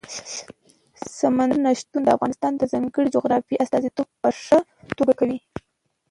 سمندر نه شتون د افغانستان د ځانګړي جغرافیې استازیتوب په ښه توګه کوي.